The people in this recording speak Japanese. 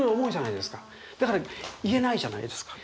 だから言えないじゃないですか。